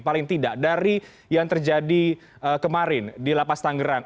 paling tidak dari yang terjadi kemarin di lapas tangerang